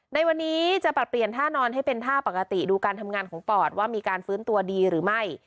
ในวันนี้จะปรับเปลี่ยนท่านอนให้เป็นท่าปกติดูการทำงานของปอดว่ามีการฟื้นตัวดีหรือไม่